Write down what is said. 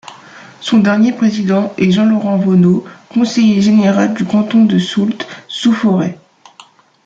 Son dernier président est Jean-Laurent Vonau, conseiller général du canton de Soultz-sous-Forêts.